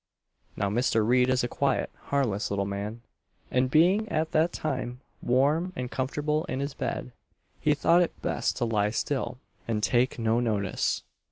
Now Mr. Reid is a quiet, harmless, little man, and, being at that time warm and comfortable in his bed, he thought it best to lie still and take no notice.